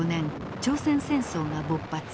朝鮮戦争が勃発。